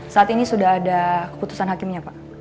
saat ini sudah ada keputusan hakimnya pak